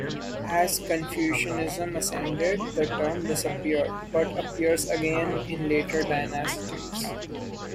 As Confucianism ascended the term disappeared, but appears again in later dynasties.